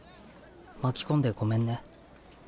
巻き込んでごめんね。